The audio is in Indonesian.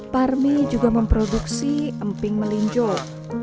parmi juga memproduksi emping melinjol